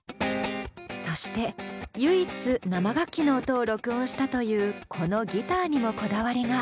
そして唯一生楽器の音を録音したというこのギターにもこだわりが。